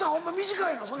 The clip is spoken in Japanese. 短いの？